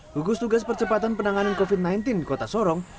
gugus tugas percepatan penanganan covid sembilan belas kota sorong